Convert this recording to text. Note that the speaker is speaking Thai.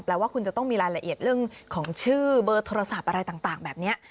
ว่าคุณจะต้องมีรายละเอียดเรื่องของชื่อเบอร์โทรศัพท์อะไรต่างแบบนี้